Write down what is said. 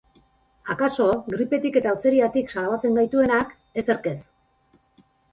Akaso, gripetik eta hotzeriatik salbatzen gaituenak, ezerk ez.